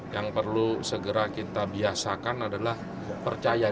yang perlu segera kita biasakan adalah percaya diri